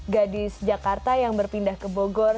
gadis jakarta yang berpindah ke bogor